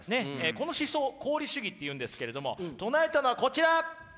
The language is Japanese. この思想を功利主義って言うんですけれども唱えたのはこちら。